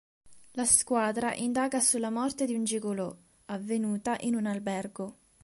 La squadra indaga sulla morte di un gigolò, avvenuta in un albergo.